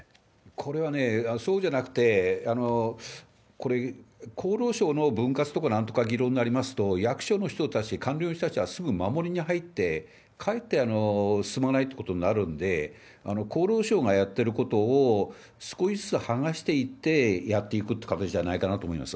これはね、そうじゃなくて、これ、厚労省の分割とかなんとかいう議論になりますと、役所の人たち、官僚の人たちはすぐ守りに入って、かえって進まないってことになるんで、厚労省がやってることを少しずつ剥がしていってやっていくって形じゃないかなと思います。